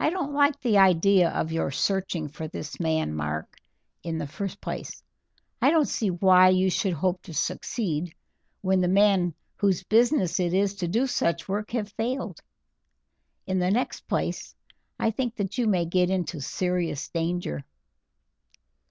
"I don't like the idea of your searching for this man, Mark. In the first place, I don't see why you should hope to succeed when the men whose business it is to do such work have failed. In the next place, I think that you may get into serious danger."